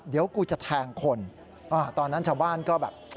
เดี๋ยวกูจะแทงคนตอนนั้นชาวบ้านก็แบบ